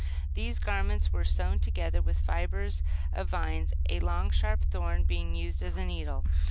These garments were sewn together with fibres of vines, a long, sharp thorn being used as a needle.